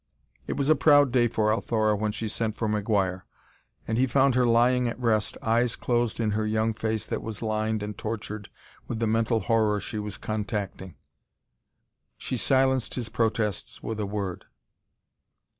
It was a proud day for Althora when she sent for McGuire, and he found her lying at rest, eyes closed in her young face that was lined and tortured with the mental horror she was contacting. She silenced his protests with a word.